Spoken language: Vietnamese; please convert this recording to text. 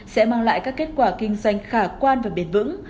sẽ mang lại các kết quả kinh doanh khả quan và bền vững